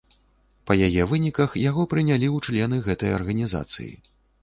Па яе выніках яго прынялі ў члены гэтай арганізацыі.